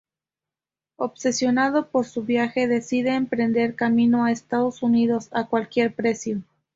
Obsesionado por su viaje, decide emprender camino a los Estados Unidos a cualquier precio.